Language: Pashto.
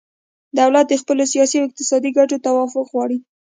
دولت د خپلو سیاسي او اقتصادي ګټو توافق غواړي